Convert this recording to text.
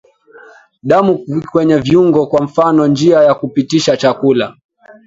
Damu kwenye viungo kwa mfano njia ya kupitisha chakula